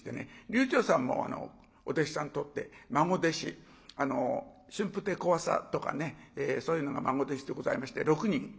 柳朝さんもお弟子さん取って孫弟子春風亭小朝とかねそういうのが孫弟子でございまして６人。